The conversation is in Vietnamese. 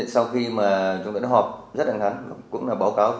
sau khi chúng ta đã họp